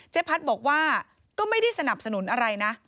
พัฒน์บอกว่าก็ไม่ได้สนับสนุนอะไรนะ